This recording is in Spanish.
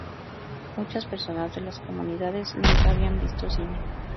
Muchas personas de las comunidades nunca habían visto cine.